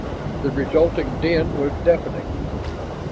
The resulting din was deafening.